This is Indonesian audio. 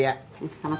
gak ada yang ngerti